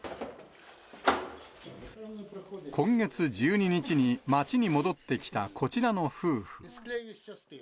今月１２日に街に戻ってきたこちらの夫婦。